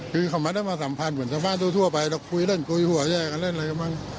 คือประมาณแถมนั้นไม่รู้อะไรเลยถึงกว่า